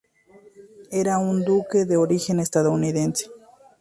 Era un buque de origen estadounidense.